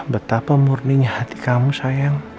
betapa murninya hati kamu sayang